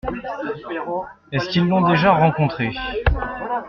Est-ce qu’ils l’ont déjà rencontré ?